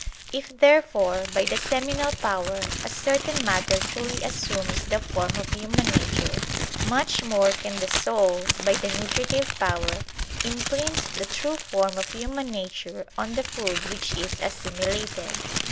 If, therefore, by the seminal power a certain matter truly assumes the form of human nature, much more can the soul, by the nutritive power, imprint the true form of human nature on the food which is assimilated.